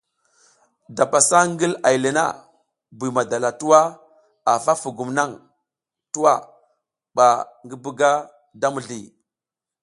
To pasa ngil ay le na, Buy madala twa a fa fugum naŋ twa ɓa ngi buga da mizli.